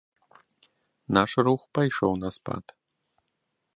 Наш рух пайшоў на спад.